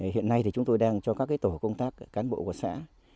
hiện nay thì chúng tôi đang cho các tổ công tác cán bộ của xã